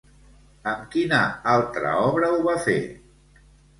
Amb quina altra obra ho va fer?